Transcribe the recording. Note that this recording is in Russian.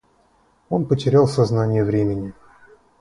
Он потерял сознание времени.